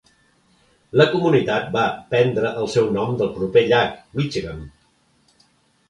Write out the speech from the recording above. La comunitat va prendre el seu nom del proper llac Michigamme.